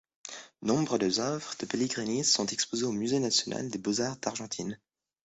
Nombre des œuvres de Pellegrini sont exposées au Musée national des beaux-arts d'Argentine.